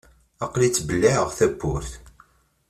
Aql-i ttbelliεeɣ tawwurt.